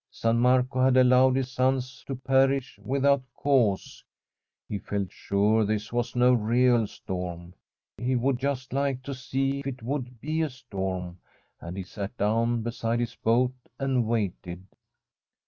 San Marco had allowed his sons to perish without cause. He felt sure this »was no real storm. He would just like to see if it would be a storm, and he sat down beside his boat and waited.